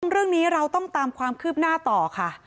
เรื่องนี้เราต้องตามความคืบหน้าต่อค่ะ